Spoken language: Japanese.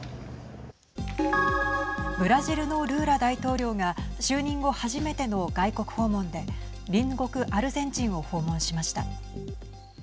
ブラジルのルーラ大統領が就任後初めての外国訪問で隣国アルゼンチンを訪問しました。